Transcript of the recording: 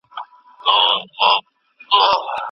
خپلوان پکښي بندیږی